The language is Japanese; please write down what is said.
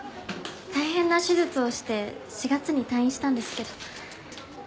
大変な手術をして４月に退院したんですけど。